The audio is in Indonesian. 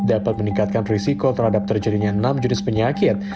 dapat meningkatkan risiko terhadap terjadinya enam jenis penyakit